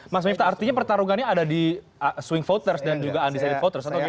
mas miftah artinya pertarungannya ada di swing voters dan juga undisided voters atau gimana